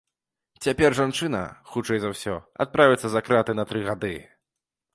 Цяпер жанчына, хутчэй за ўсё, адправіцца за краты на тры гады.